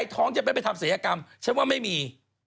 ท้องจะไม่ไปทำศัยกรรมฉันว่าไม่มี